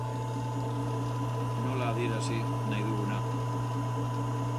Nola adierazi nahi duguna?